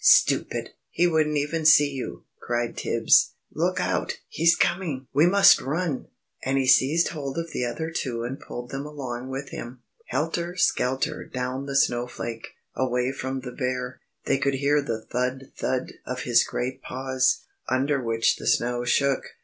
"Stupid! He wouldn't even see you," cried Tibbs. "Look out, he's coming! We must run!" And he seized hold of the other two and pulled them along with him, helter skelter down the snowflake, away from the bear. They could hear the thud! thud! of his great paws, under which the snow shook.